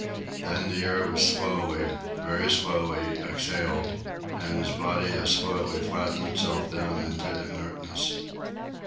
Then the air was slowly, very slowly, exhaled, and his body as slowly flattened itself down into inertness.